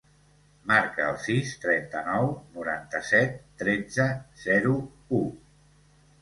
Marca el sis, trenta-nou, noranta-set, tretze, zero, u.